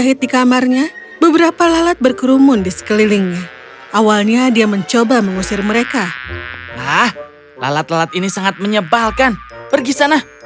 nah lalat lalat ini sangat menyebalkan pergi sana